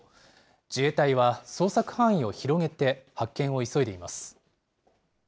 自衛隊は捜索範囲を広げて、発見を急いでいます。